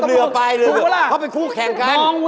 เรียบไปเขาเป็นคู่แข่งกัน